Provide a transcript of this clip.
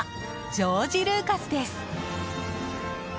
ジョージ・ルーカスです。